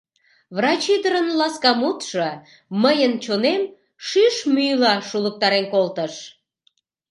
Врач ӱдырын ласка мутшо мыйын чонем шӱшмӱйла шулыктарен колтыш.